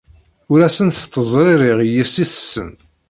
Ur asent-ttezririɣ i yessi-tsen.